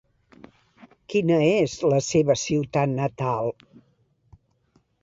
Quina és la seva ciutat natal?